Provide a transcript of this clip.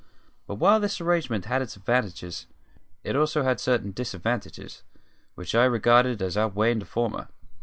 But while this arrangement had its advantages, it also had certain disadvantages which I regarded as outweighing the former.